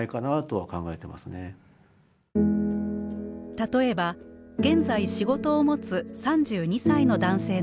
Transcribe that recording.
例えば現在仕事を持つ３２歳の男性の場合。